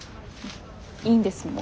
いいんですもう。